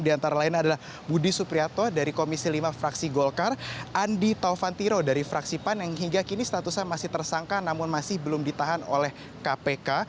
di antara lain adalah budi supriyato dari komisi lima fraksi golkar andi taufantiro dari fraksi pan yang hingga kini statusnya masih tersangka namun masih belum ditahan oleh kpk